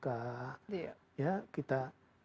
kita mudah mudahan akan jadi kota lama